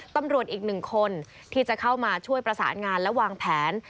ตำรวจอีกหนึ่งคนที่จะเข้ามาช่วยประสานงานและวางแผน